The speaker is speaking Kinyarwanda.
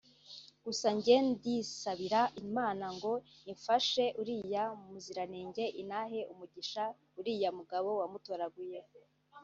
Gusa Njye Ndisabira Imana Ngo Ifashe Uriya Muziranenge Inahe Umugisha Uriya Mugabo Wamutoraguye